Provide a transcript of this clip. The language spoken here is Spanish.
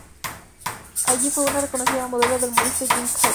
Allí fue una reconocida modelo del modisto Jean Cartier.